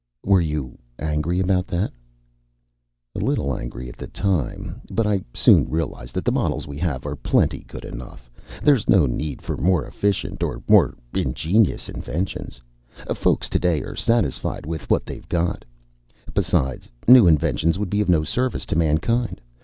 "Were you angry about that?" "A little angry at the time. But I soon realized that the models we have are plenty good enough. There's no need for more efficient or more ingenious inventions. Folks today are satisfied with what they've got. Besides, new inventions would be of no service to mankind.